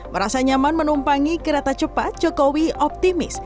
merasa nyaman menumpangi kereta cepat jokowi optimis